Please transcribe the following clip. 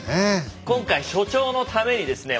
今回所長のためにですね